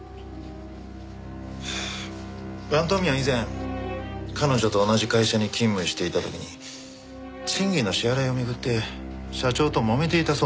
王東明は以前彼女と同じ会社に勤務していた時に賃金の支払いを巡って社長ともめていたそうなんです。